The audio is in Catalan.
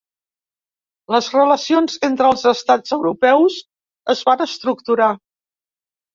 Les relacions entre els estats europeus es van estructurar.